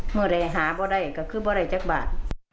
เมื่อไหร่หาไม่ได้ก็ขึ้นไม่ได้จักรบาด